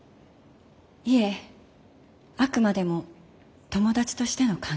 いえあくまでも友達としての関係でした。